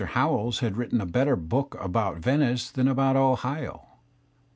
HowelLs has written a better book about Venice ^ than about Ohio.